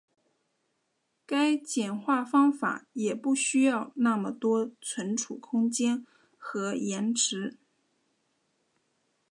该简化方法也不需要那么多存储空间和延迟。